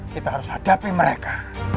kita harus hadapi mereka